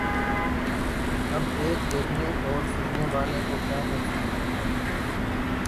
اب ایک دیکھنے اور سننے والے کو کیا محسوس ہو گا؟